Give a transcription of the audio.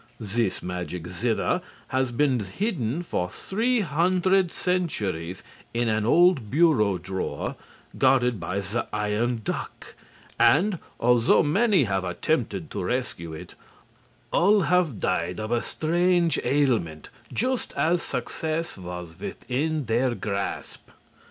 This magic zither has been hidden for three hundred centuries in an old bureau drawer, guarded by the Iron Duck, and, although many have attempted to rescue it, all have died of a strange ailment just as success was within their grasp.